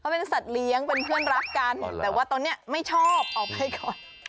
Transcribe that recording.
เป็นสัตว์เลี้ยงเป็นเพื่อนรักกันแต่ว่าตอนนี้ไม่ชอบออกไปก่อน